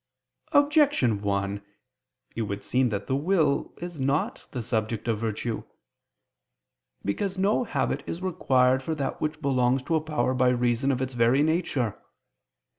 Objection 1: It would seem that the will is not the subject of virtue. Because no habit is required for that which belongs to a power by reason of its very nature.